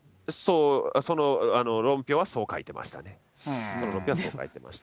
その論評はそう書いてましたね。